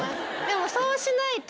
そうしないと。